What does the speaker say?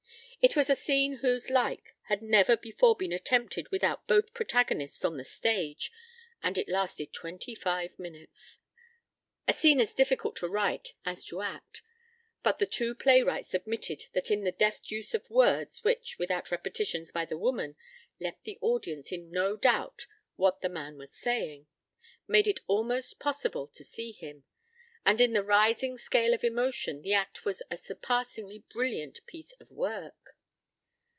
It was a scene whose like had never before been attempted without both protagonists on the stage, and it lasted twenty five minutes; a scene as difficult to write as to act; but the two playwrights admitted that in the deft use of words which, without repetitions by the woman, left the audience in no doubt what the man was saying, made it almost possible to see him, and in the rising scale of emotion, the act was a surpassingly brilliant piece of work.